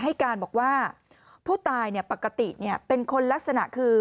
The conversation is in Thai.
ให้การบอกว่าผู้ตายปกติเป็นคนลักษณะคือ